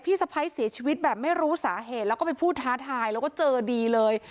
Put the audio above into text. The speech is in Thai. สะพ้ายเสียชีวิตแบบไม่รู้สาเหตุแล้วก็ไปพูดท้าทายแล้วก็เจอดีเลย